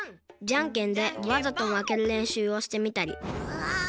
じゃんけんでわざとまけるれんしゅうをしてみたりぐわっ！